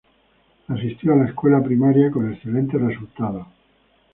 Asistió a la escuela primaria con excelentes resultados.